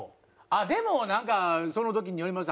でもなんかその時によります。